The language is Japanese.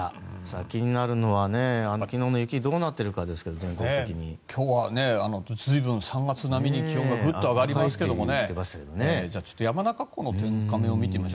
気になるのは昨日の雪、全国的にどうなっているかですが今日は、ずいぶん３月並みに気温がぐっと上がるみたいです。